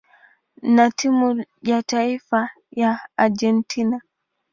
na timu ya taifa ya Argentina.